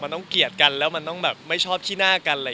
มันต้องเกลียดกันไม่ชอบขี้หน้ากัน